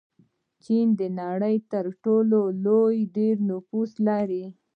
چین د نړۍ تر ټولو ډېر نفوس لري.